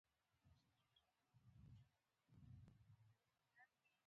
پکورې د زړه یاد تازه کوي